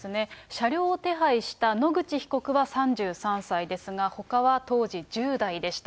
車両を手配した野口被告は３３歳ですが、ほかは当時１０代でした。